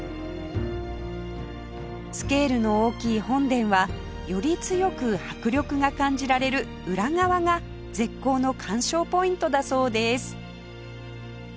スケールの大きい本殿はより強く迫力が感じられる裏側が絶好の鑑賞ポイントだそうです